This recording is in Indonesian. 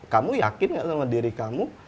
kamu yakin gak sama diri kamu